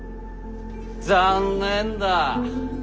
残念だ。